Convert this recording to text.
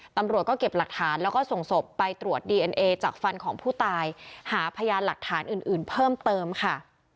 ตำรวจก็เก็บหลักฐานแล้วก็ส่งศพไปตรวจดีเอ็นเอจากฟันของผู้ตายหาพยานหลักฐานอื่นอื่นเพิ่มเติมค่ะ